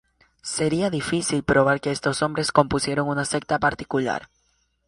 Sería difícil probar que estos hombres compusieron una secta particular.